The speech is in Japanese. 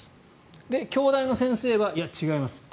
で、京大の先生はいや、違います。